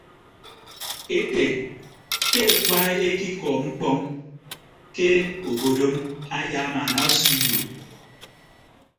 Ete ke akpa ekikọ mkpọñ ke obodom ayamaana osio uyo.